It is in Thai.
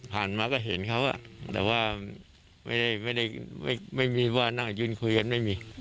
ผ่านมาก็เห็นเขาอ่ะแต่ว่าไม่ได้ไม่ได้ไม่ไม่มีว่านั่งยุ่นคุยกันไม่มี